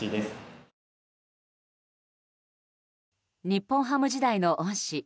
日本ハム時代の恩師